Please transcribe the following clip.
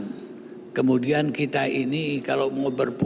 kemudian kita ini ketika di mana mana kita berpikir apa yang berlaku berapa berlaku